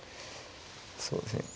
そうですね